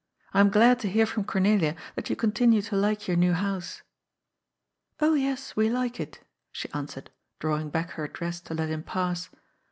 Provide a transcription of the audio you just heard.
I am glad to hear from Cornelia that you continue to like your new house.*' " Oh yes, we like it," she answered, drawing back her dress to let him pass.